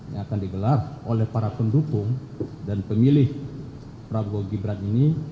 yang akan digelar oleh para pendukung dan pemilih prabowo gibran ini